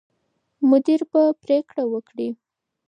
مدیر به پرېکړه وکړي.